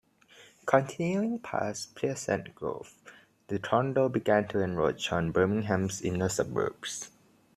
Continuing past Pleasant Grove, the tornado began to encroach on Birmingham's inner suburbs.